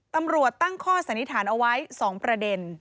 ตำรวจตั้งข้อสันนิษฐานเอาไว้๒ประเด็น